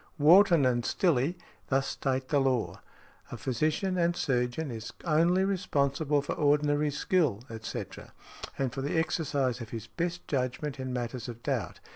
Wharton and Stillé thus state the law: "A physician and surgeon is only responsible for ordinary skill, etc., and for the exercise of his best judgment in matters of doubt.